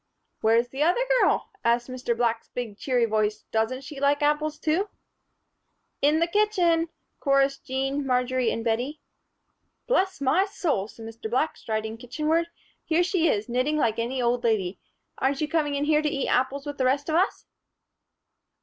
"Where's the other girl?" asked Mr. Black's big, cheery voice. "Doesn't she like apples, too?" "In the kitchen," chorused Jean, Marjory and Bettie. "Bless my soul!" said Mr. Black, striding kitchenward, "here she is, knitting like any old lady. Aren't you coming in here to eat apples with the rest of us?"